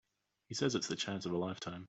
He says it's the chance of a lifetime.